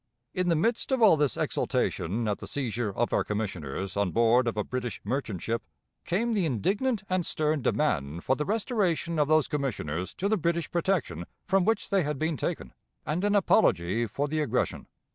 In the midst of all this exultation at the seizure of our Commissioners on board of a British merchant ship, came the indignant and stern demand for the restoration of those Commissioners to the British protection from which they had been taken, and an apology for the aggression.